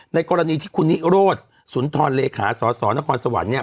ในกรณีที่คุณนิโรธสุนทรเลขาสสนครสวรรค์เนี่ย